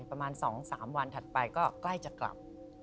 ประมาณ๒๓วันถัดไปก็ใกล้จะกลับ